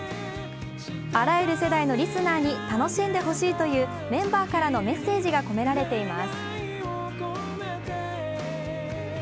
あらゆる世代のリスナーに楽しんでほしいというメンバーからのメッセージが込められています。